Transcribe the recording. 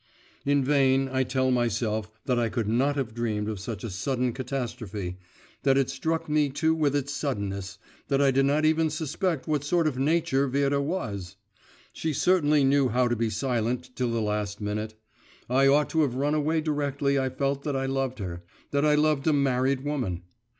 … In vain I tell myself that I could not have dreamed of such a sudden catastrophe, that it struck me too with its suddenness, that I did not even suspect what sort of nature Vera was. She certainly knew how to be silent till the last minute. I ought to have run away directly I felt that I loved her, that I loved a married woman.